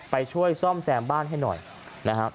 ไปช่วยซ่อมแซมบ้านให้หน่อยนะครับ